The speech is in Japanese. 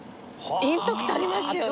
インパクトありますよね。